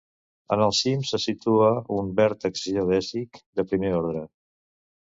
En el cim se situa un vèrtex geodèsic de primer ordre.